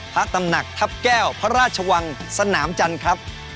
พระตำหนักทัพแก้วพระราชวังสนามจันทร์ครับ